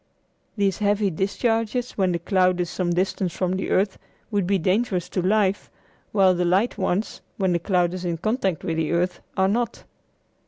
These heavy discharges when the cloud is some distance from the earth would be dangerous to life, while the light ones, when the cloud is in contact with the earth, are not.